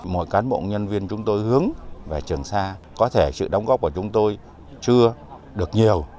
mọi cán bộ nhân viên chúng tôi hướng về trường sa có thể sự đóng góp của chúng tôi chưa được nhiều